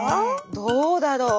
どうだろう。